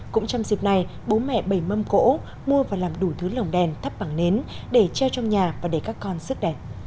cũng trong dịp này bố mẹ bày mâm cỗ mua và làm đủ thứ lồng đèn thắp bằng nến để treo trong nhà và để các con sức đẹp